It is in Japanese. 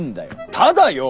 ただよォ。